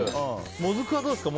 もずくはどうですか。